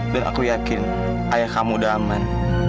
dan aku yakin ayah kamu udah aman